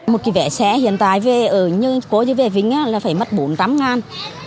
một kỳ vẽ xe hiện tại về ở như cố như về vĩnh là phải mất bốn mươi tám ngàn